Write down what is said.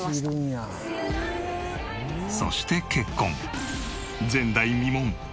そして結婚。